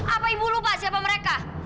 apa ibu lupa siapa mereka